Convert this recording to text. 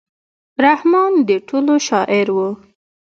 رحمان د ټولو شاعر و.